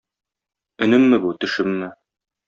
Өнемме бу, төшемме?